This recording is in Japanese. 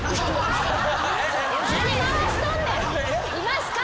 「いますか？」